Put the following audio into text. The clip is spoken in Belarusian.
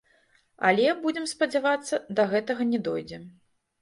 Але, будзем спадзявацца, да гэтага не дойдзе.